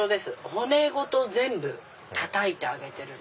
骨ごと全部たたいて揚げてるので。